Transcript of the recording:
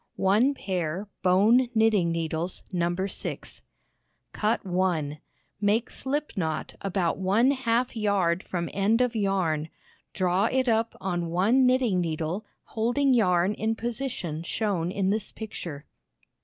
One pair bone knitting needles No. 6. Cut 1 Make slip knot about one half yard from end of yarn. Draw it up on one knitting needle, holding yarn in position shown in this picture.